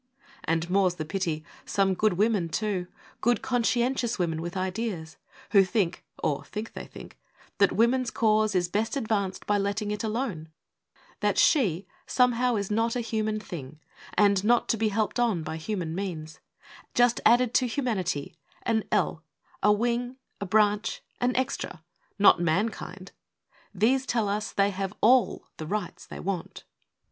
And, more's the pity, some good women, too; Good, conscientious women with ideas; Who think or think they think that woman's cause Is best advanced by letting it alone; That she somehow is not a human thing, And not to be helped on by human means, Just added to humanity an "L" A wing, a branch, an extra, not mankind These tell us they have all the rights they want.